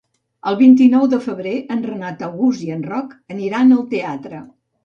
El vint-i-nou de febrer en Renat August i en Roc aniran al teatre.